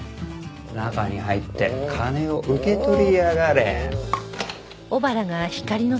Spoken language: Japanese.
中に入って金を受け取りやがれ。